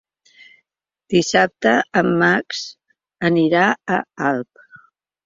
Dissabte en Max anirà a Alp.